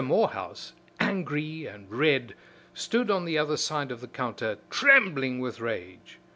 Morehouse, angry and red, stood on the other side of the counter, trembling with rage.